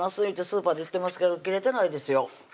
いうてスーパーで売ってますけど切れてないですよ